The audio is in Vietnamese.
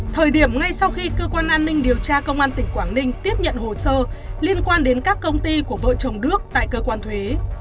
thời điểm ngay sau khi cơ quan an ninh điều tra công an tỉnh quảng ninh tiếp nhận hồ sơ liên quan đến các công ty của vợ chồng đước tại cơ quan thuế